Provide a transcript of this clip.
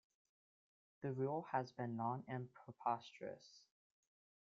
The rule has been long and prosperous.